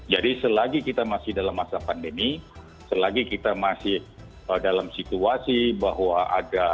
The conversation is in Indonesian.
jadi selagi kita masih dalam masa pandemi selagi kita masih dalam situasi bahwa ada